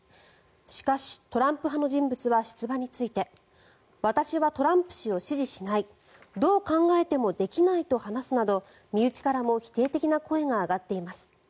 しかし、トランプ派の人物は出馬について私はトランプ氏を支持しないどう考えてもできないと話すなど身内からも否定的な声が上がっています。